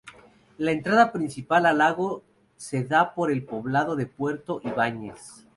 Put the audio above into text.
La entrada principal al lago se da por el poblado de Puerto Ibáñez.